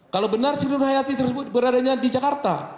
kalau benar sri nur hayati tersebut beradanya di jakarta